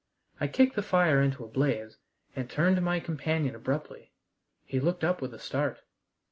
I kicked the fire into a blaze, and turned to my companion abruptly. He looked up with a start.